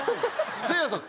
せいやさん